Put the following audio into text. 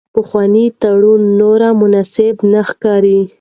پخوانی تړون نور مناسب نه ښکاري.